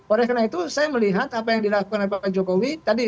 oleh karena itu saya melihat apa yang dilakukan oleh pak jokowi tadi